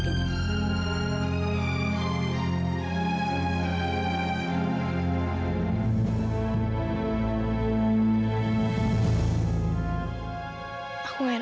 aku nggak enak banget